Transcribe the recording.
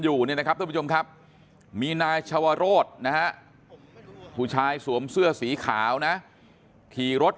อยู่นะครับมีนายชวโรธนะผู้ชายสวมเสื้อสีขาวนะขี่รถ